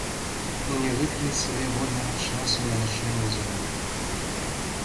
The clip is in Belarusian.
Не выкраіць сабе вольнага часу на лячэнне зубоў.